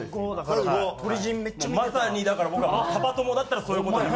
まさにだから僕がパパ友だったらそういう事に。